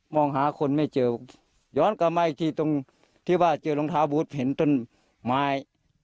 งหาคนไม่เจอย้อนกลับมาอีกทีตรงที่ว่าเจอรองเท้าบูธเห็นต้นไม้